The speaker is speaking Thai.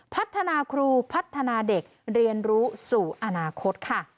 พัฒนาครูพัฒนาเด็กเรียนรู้สู่อนาคตค่ะ